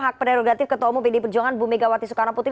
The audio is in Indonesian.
hak prerogatif ketua umum pdi perjuangan bu megawati soekarno putri